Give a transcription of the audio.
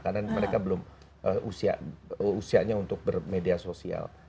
karena mereka belum usianya untuk bermedia sosial